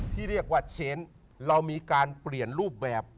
ที่เรียกว่าเชนเรามีการเปลี่ยนรูปแบบ